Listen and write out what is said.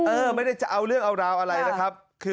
ไม่ได้จะเอาเรื่องเอาราวอะไรนะครับ